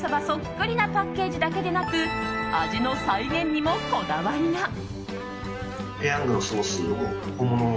そっくりなパッケージだけでなく味の再現にもこだわりが。